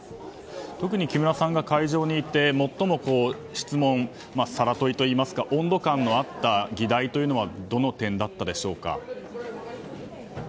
特に木村さんが会場にいて最も質問の温度感があった議題というのはどの点だったでしょうか。